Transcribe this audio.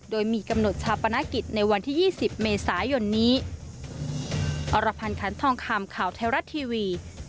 โดยมีกำหนดชาปนกิจในวันที่๒๐เมษายนนี้